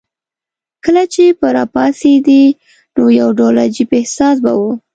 کله چې به راپاڅېدې نو یو ډول عجیب احساس به وو.